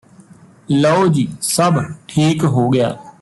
ਲਓ ਜੀ ਸਭ ਠੀਕ ਹੋ ਗਿਆ